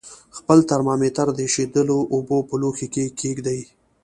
خپل ترمامتر د ایشېدلو اوبو په لوښي کې کیږدئ.